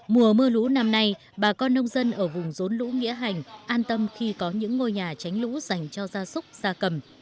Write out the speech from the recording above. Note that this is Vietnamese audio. mùa mưa lũ năm nay bà con nông dân ở vùng rốn lũ nghĩa hành an tâm khi có những ngôi nhà tránh lũ dành cho gia súc gia cầm